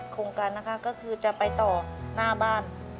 โครงการนะคะก็คือจะไปต่อหน้าบ้าน